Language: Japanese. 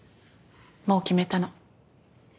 もう決めたの。